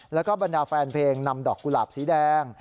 แล้วก็บรรดาแฟนเพลงนำดอกกุหลาบสีแดง